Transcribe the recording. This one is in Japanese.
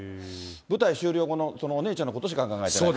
舞台終了後のお姉ちゃんのことしか考えてないと。